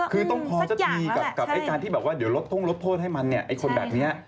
คือต้องพอจะทีกับไอ้การที่เดี๋ยวลดโทษให้มันไอ้คนแบบนี้